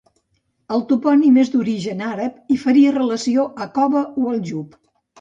El topònim és d'origen àrab i faria relació a cova o aljub.